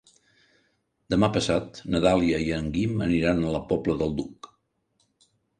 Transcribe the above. Demà passat na Dàlia i en Guim aniran a la Pobla del Duc.